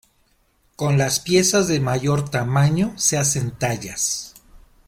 Con las piezas de mayor tamaño se hacen tallas.